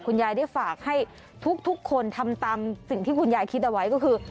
ยายได้ฝากให้ทุกคนทำตามสิ่งที่คุณยายคิดเอาไว้ก็คือ